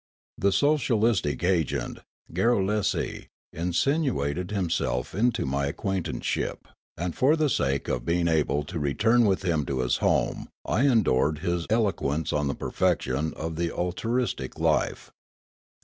The socialistic agent, Garrulesi, insinuated himself into ni}' acquaintanceship ; and for the sake of being able to return with him to his home I endured his elo quence on the perfection of the altruistic life.